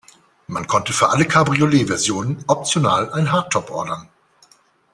Man konnte für alle Cabriolet-Versionen optional ein Hardtop ordern.